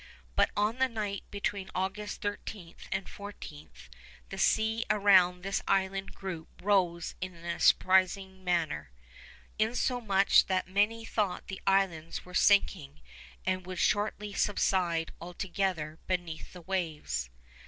But on the night between August 13 and 14, the sea around this island group rose in a surprising manner, insomuch that many thought the islands were sinking and would shortly subside altogether beneath the waves.